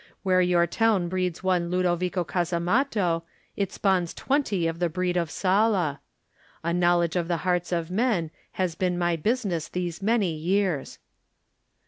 Where your town breeds one Ludovico Casamatto it spawns twenty of the breed of Sala. A knowledge of the hearts of men has been my business these many years."